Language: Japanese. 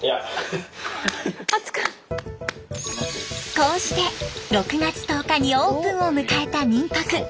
こうして６月１０日にオープンを迎えた民泊。